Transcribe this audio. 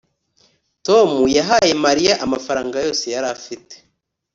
tom yahaye mariya amafaranga yose yari afite